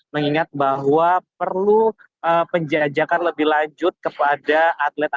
mengingat bahwa perlu penjajakan lebih lanjut kepada atlet atlet